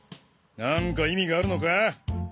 何か意味があるのか？